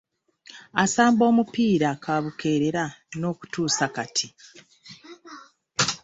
Asamba mupiira kaabukeerera n'okutuusa kati.